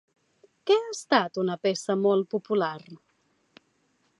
Què ha estat una peça molt popular?